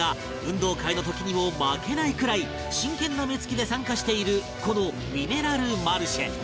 運動会の時にも負けないくらい真剣な目付きで参加しているこのミネラルマルシェ